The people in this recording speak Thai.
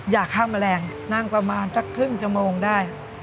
อย่าข้ามแมลงนั่งประมาณสักครึ่งชั่วโมงได้